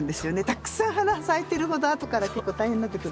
たくさん花咲いてるほどあとからちょっと大変になってくるので。